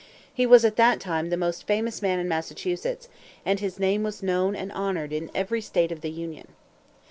He was at that time the most famous man in Massachusetts, and his name was known and honored in every state of the Union.